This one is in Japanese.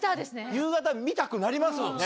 夕方、見たくなりますもんね。